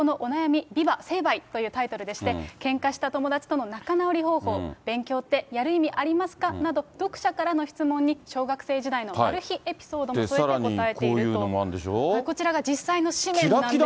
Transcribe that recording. がちゃおっ娘のおなやみビバ☆成敗！というタイトルでして、けんかした友達との仲直り方法など、勉強ってやる意味ありますか？など、読者からの質問に小学生時代のマル秘エピソードも添えて答さらにこういうのもあるんでこちらが実際の誌面なんです。